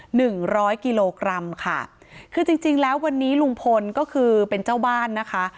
หนึ่งร้อยกิโลกรัมค่ะคือจริงจริงแล้ววันนี้ลุงพลก็คือเป็นเจ้าบ้านนะคะ